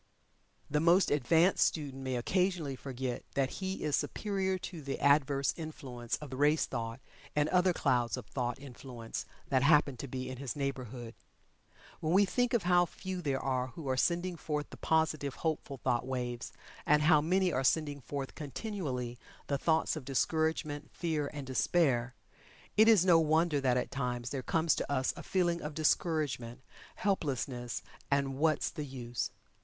The most advanced student may occasionally forget that he is superior to the adverse influence of the race thought, and other clouds of thought influence that happen to be in his neighborhood. When we think of how few there are who are sending forth the positive, hopeful, thought waves, and how many are sending forth continually the thoughts of discouragement, fear, and despair, it is no wonder that at times there comes to us a feeling of discouragement, helplessness, and "what's the use."